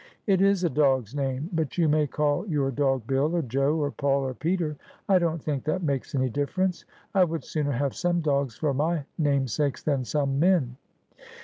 ' It is a dog's name. But you may call your dog Bill, or Joe, or Paul, or Peter. I don't think that makes any difference. I would sooner have some dogs for my namesakes than some men.'